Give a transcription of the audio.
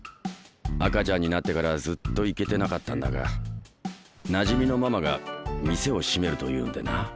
赤ちゃんになってからずっと行けてなかったんだがなじみのママが店を閉めるというんでな。